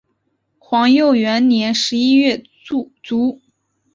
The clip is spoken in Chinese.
皇佑元年十一月卒。